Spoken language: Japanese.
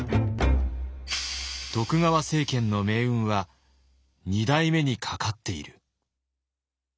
徳川政権の命運は二代目にかかっている。